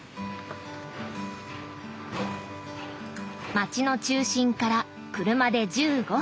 街の中心から車で１５分。